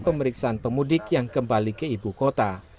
pemeriksaan pemudik yang kembali ke ibu kota